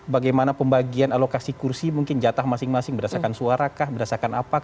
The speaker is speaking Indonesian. bagaimana pembagian alokasi kursi mungkin jatah masing masing berdasarkan suara kah berdasarkan apa kah